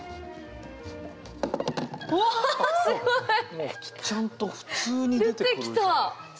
もうちゃんと普通に出てくるじゃん。